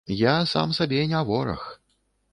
Я сам сабе не вораг.